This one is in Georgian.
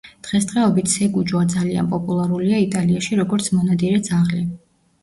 დღესდღეობით სეგუჯო ძალიან პოპულარულია იტალიაში როგორც მონადირე ძაღლი.